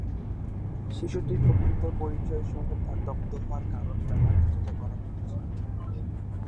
শিশুটির প্রকৃত পরিচয়সহ তার দগ্ধ হওয়ার কারণ জানার চেষ্টা করা হচ্ছে।